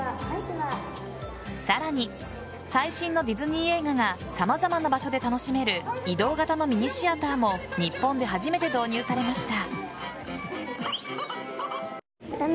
さらに、最新のディズニー映画が様々な場所で楽しめる移動型のミニシアターも日本で初めて導入されました。